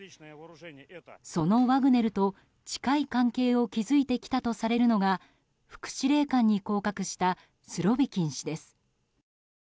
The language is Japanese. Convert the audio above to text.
そのワグネルと近い関係を築いてきたとされるのが副司令官に降格したスロビキン氏です。